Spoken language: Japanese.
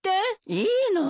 いいのよ。